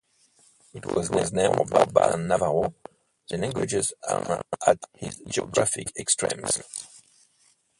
It was named for Basque and Navajo, the languages at its geographic extremes.